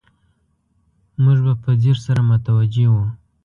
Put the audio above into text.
موږ به په ځیر سره متوجه وو.